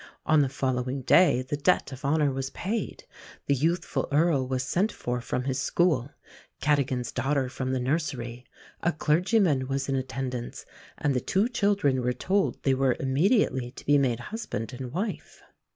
On the following day the debt of honour was paid. The youthful Earl was sent for from his school, Cadogan's daughter from the nursery; a clergyman was in attendance, and the two children were told they were immediately to be made husband and wife.